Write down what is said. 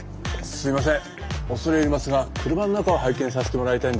すいません。